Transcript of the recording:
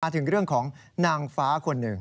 มาถึงเรื่องของนางฟ้าขนึง